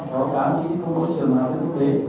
có cảm nhận không có trường nào trong quốc tế